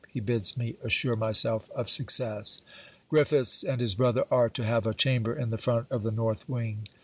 He bids me assure myself of success. Griffiths and his brother are to have a chamber in the front of the north wing.